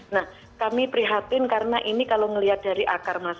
nah kami prihatin karena ini kalau melihat dari akar masalah